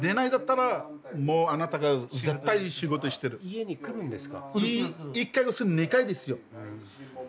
家に来るんですか？